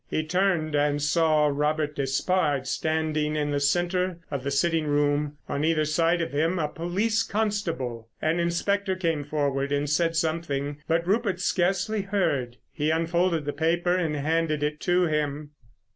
He turned and saw Robert Despard standing in the centre of the sitting room, on either side of him a police constable. An inspector came forward and said something, but Rupert scarcely heard. He unfolded the paper and handed it to him.